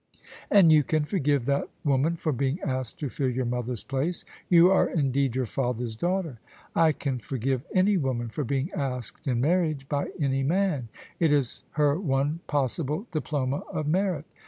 "And you can forgive that woman for being asked to fill your mother's place? You are indeed your father's daughter!" " I can forgive any woman for being asked in marriage by any man: it is her one possible diploma of merit.